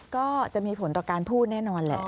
ก็จะมีผลต่อการพูดแน่นอนแหละ